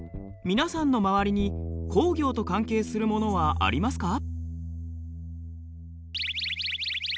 皆さんの周りに工業と関係するものはありますか？